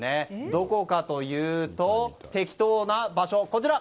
どこかというとてきとな場所。